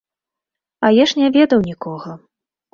А я ж не ведаў нікога.